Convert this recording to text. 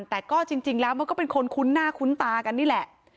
แต่ก็จริงแล้วมันก็เป็นคนคุ้นหน้าคุ้นตากันนี่แหละ